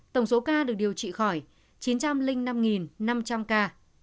tổng số ca được điều trị khỏi chín trăm linh năm năm trăm linh ca